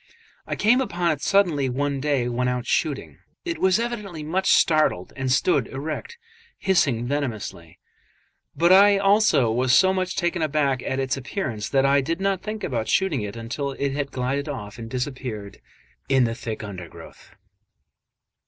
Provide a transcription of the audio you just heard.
I came upon it suddenly one day when out shooting. It was evidently much startled, and stood erect, hissing venomously; but I also was so much taken aback at its appearance that I did not think about shooting it until it had glided off and disappeared in the thick undergrowth.